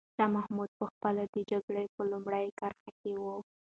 شاه محمود په خپله د جګړې په لومړۍ کرښه کې و.